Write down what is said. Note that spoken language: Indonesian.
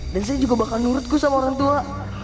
dan saya juga bakal nurutku sama orang tua